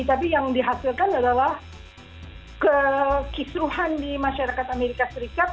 tapi yang dihasilkan adalah kekisruhan di masyarakat amerika serikat